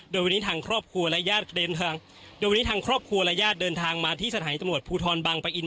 เดี๋ยววันนี้ทางครอบครัวและญาติเดินทางมาที่สถานีตำรวจภูทรบังประอิน